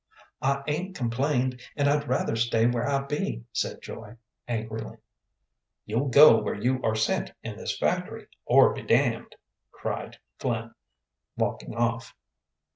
"I 'ain't complained, and I'd rather stay where I be," said Joy, angrily. "You'll go where you are sent in this factory, or be damned," cried Flynn, walking off.